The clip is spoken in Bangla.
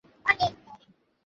রান্নাঘরে গোবর দিয়ে নেয়ে এসো।